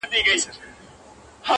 • پر حقیقت به سترگي وگنډي خو,